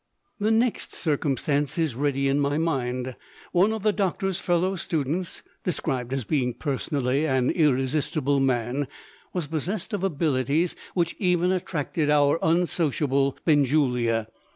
The next circumstance is ready in my mind. One of the doctor's fellow students (described as being personally an irresistible man) was possessed of abilities which even attracted our unsociable Benjulia.